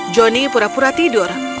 johnny pura pura tidur